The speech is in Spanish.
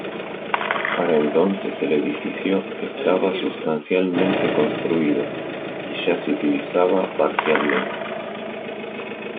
Para entonces el edificio estaba sustancialmente construido y ya se utilizaba parcialmente.